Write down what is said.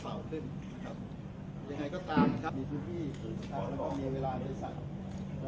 ยังไงก็ตามนะครับมีทุกที่ต้องมีเวลาในสัตว์